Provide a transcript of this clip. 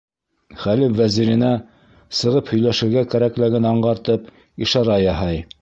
Хәлиф вәзиренә, сығып һөйләшергә кәрәклеген аңғартып, ишара яһай.